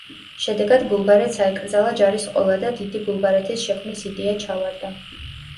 შედეგად ბულგარეთს აეკრძალა ჯარის ყოლა და დიდი ბულგარეთის შექმნის იდეა ჩავარდა.